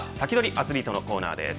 アツリートのコーナーです。